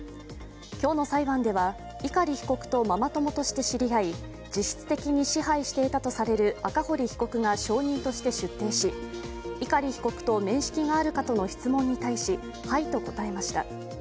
今日の裁判では、碇被告とママ友として知り合い実質的に支配していたとされる赤堀被告が証人として出廷し、碇被告と面識があるかとの質問に対し「はい」と答えました。